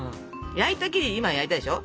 焼いた生地今焼いたでしょ？